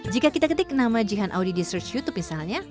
jika kita ketik nama jihan audi di search youtube misalnya